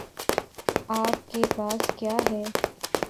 آپ کے پاس کیا ہے؟